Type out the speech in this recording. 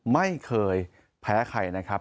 ไม่เคยแพ้ใครนะครับ